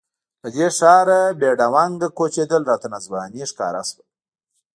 له دې ښاره بې ډونګه کوچېدل راته ناځواني ښکاره شوه.